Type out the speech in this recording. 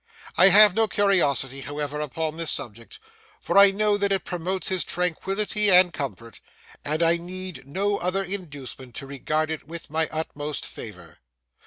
I have no curiosity, however, upon this subject; for I know that it promotes his tranquillity and comfort, and I need no other inducement to regard it with my utmost favour.